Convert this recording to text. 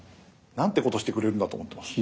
なんてことしてくれるんだと思ってます。